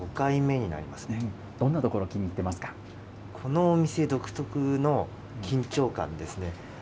どんなところが気に入ってまこのお店独特の緊張感ですね。